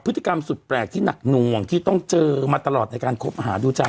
พฤติกรรมสุดแปลกที่หนักหน่วงที่ต้องเจอมาตลอดในการคบหาดูใจ